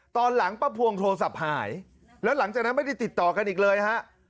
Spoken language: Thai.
ตอนหลังป้าพวงโทรศัพท์หายแล้วหลังจากนั้นไม่ได้ติดต่อกันอีกเลยฮะ